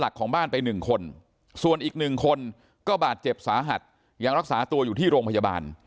คนก็บาดเจ็บสาหัสยังรักษาตัวอยู่ที่โรงพยาบาล